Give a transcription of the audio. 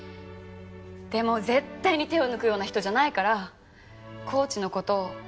でも絶対に手を抜くような人じゃないからコーチの事